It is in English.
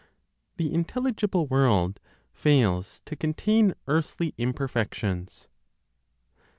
THE INTELLIGIBLE WORLD FAILS TO CONTAIN EARTHLY IMPERFECTIONS.